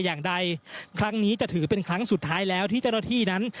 อย่างใดครั้งนี้จะถือเป็นครั้งสุดท้ายแล้วที่เจ้าหน้าที่นั้น